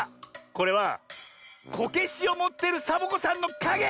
これはこけしをもってるサボ子さんのかげ！